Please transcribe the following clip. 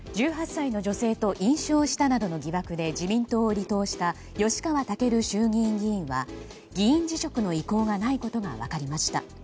１８歳の女性と飲酒をしたなどの疑惑で自民党を離党した吉川赳衆議院議員は議員辞職の意向がないことが分かりました。